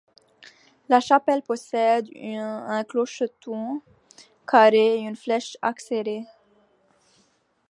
La chapelle possède un clocheton carré et une flèche acérée.